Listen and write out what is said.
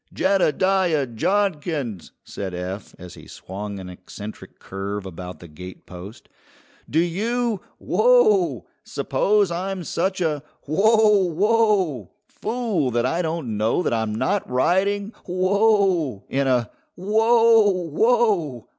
"Jeddediah Jodkins!" said Eph, as he swung an eccentric curve about the gatepost; "do you whoa! suppose I'm such a whoa! whoa! fool that I don't know that I'm not riding whoa! in a whoa! whoa!